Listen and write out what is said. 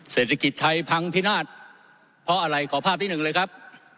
เศรษฐกิจไทยพังพินาศเพราะอะไรขอภาพที่หนึ่งเลยครับ